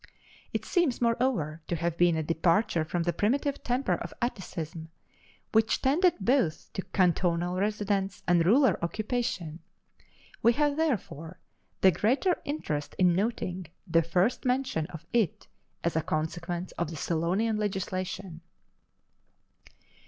It seems, moreover, to have been a departure from the primitive temper of Atticism, which tended both to cantonal residence and rural occupation. We have, therefore, the greater interest in noting the first mention of it as a consequence of the Solonian legislation.